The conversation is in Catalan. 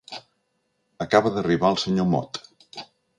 Acaba d'arribar el senyor Mot.